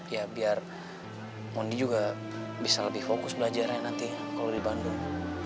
ya biar mondi juga bisa lebih fokus belajarnya nanti kalau di bandung